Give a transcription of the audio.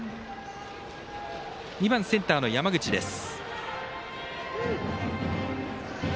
２番、センターの山口です。